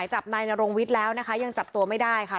จับนายนรงวิทย์แล้วนะคะยังจับตัวไม่ได้ค่ะ